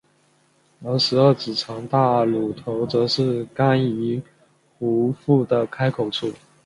而十二指肠大乳头则是肝胰壶腹的开口处。